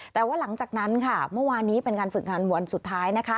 แต่ว่าหลังจากนั้นค่ะเมื่อวานนี้เป็นการฝึกงานวันสุดท้ายนะคะ